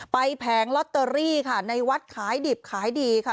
แผงลอตเตอรี่ค่ะในวัดขายดิบขายดีค่ะ